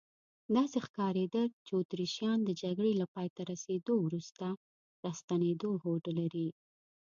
داسې ښکارېدل چې اتریشیان د جګړې له پایته رسیدو وروسته راستنېدو هوډ لري.